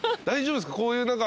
大丈夫ですか？